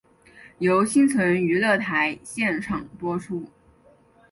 由新城娱乐台现场播出。